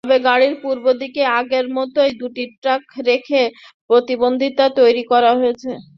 তবে বাড়ির পূর্বদিকে আগের মতোই দুটি ট্রাক রেখে প্রতিবন্ধকতা তৈরি করা হয়েছে।